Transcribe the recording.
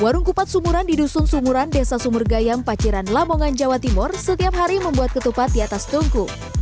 warung kupat sumuran di dusun sumuran desa sumur gayam paciran lamongan jawa timur setiap hari membuat ketupat di atas tungku